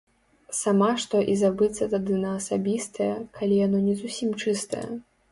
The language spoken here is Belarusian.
Сама што і забыцца тады на асабістае, калі яно не зусім чыстае!